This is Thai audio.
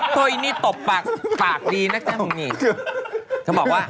หนีตบปากพูดปากดีนะ